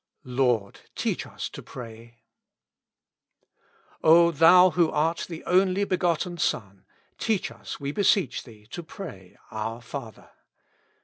"Lord, teach us to pray." O Thou who art the only begotten Son, teach us, we beseech Thee, to pray, "Our Father."